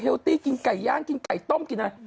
ตี้กินไก่ย่างกินไก่ต้มกินอะไร